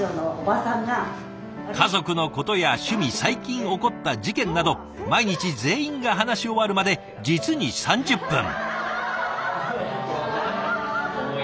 家族のことや趣味最近起こった事件など毎日全員が話し終わるまで実に３０分。